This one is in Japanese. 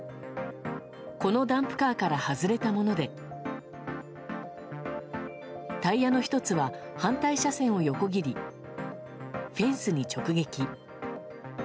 このダンプカーから外れたものでタイヤの１つは反対車線を横切りフェンスに直撃。